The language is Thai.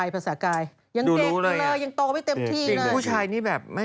ภาษากายยังเด็กเลยยังโตไม่เต็มที่เลย